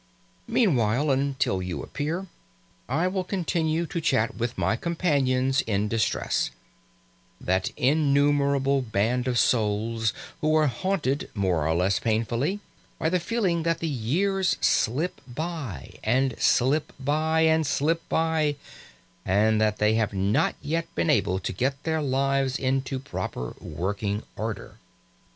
Meanwhile, until you appear, I will continue to chat with my companions in distress that innumerable band of souls who are haunted, more or less painfully, by the feeling that the years slip by, and slip by, and slip by, and that they have not yet been able to get their lives into proper working order.